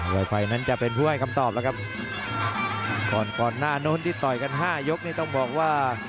ไฟนั้นจะเป็นผู้ให้คำตอบแล้วครับก่อนก่อนหน้าโน้นที่ต่อยกันห้ายกนี่ต้องบอกว่า